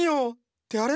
ってあれ？